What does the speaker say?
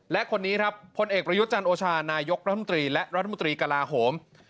และคนนี้ครับพลเอกประยุทธ์จันโอชานายกรัฐมนตรีและรัฐมนตรีกลาโหม